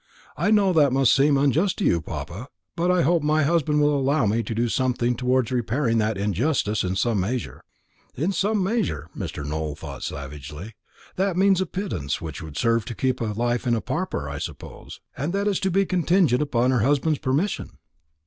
I know that must seem unjust to you, papa; but I hope my husband will allow me to do something towards repairing that injustice in some measure." "In some measure!" Mr. Nowell thought savagely. "That means a pittance that would serve to keep life in a pauper, I suppose; and that is to be contingent upon her husband's permission."